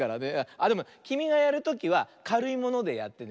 あっでもきみがやるときはかるいものでやってね。